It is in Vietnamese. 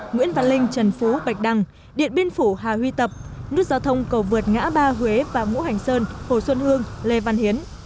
nguyễn văn linh trần phú bạch đăng điện biên phủ hà huy tập nút giao thông cầu vượt ngã ba huế và ngũ hành sơn hồ xuân hương lê văn hiến